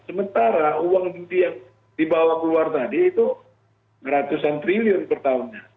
sementara uang mimpi yang dibawa keluar tadi itu ratusan triliun per tahunnya